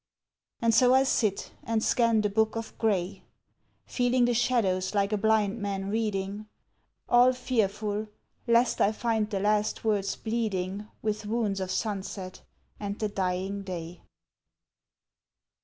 And so I sit and scan the book of grey, Feeling the shadows like a blind man reading, All fearful lest I find the last words bleeding With wounds of sunset and the dying day.